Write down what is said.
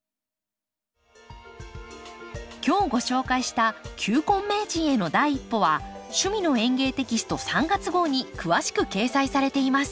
今日ご紹介した「球根名人への第一歩」は「趣味の園芸」テキスト３月号に詳しく掲載されています。